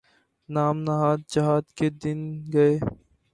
نام نہاد جہاد کے دن گئے۔